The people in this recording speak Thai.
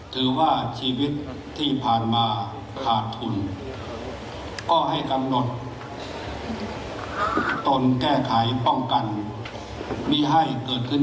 ถือว่าชีวิตที่ผ่านมายังมีความบกพร่องของภาพก็ให้เกิดความเสียหายแก่ตนและผู้อื่น